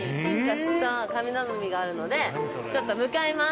があるのでちょっと向かいます。